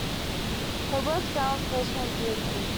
Her works balance personal and political.